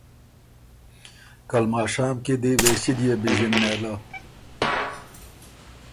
که لمشام کی دی وېݭِليې بیݫِن نېله۔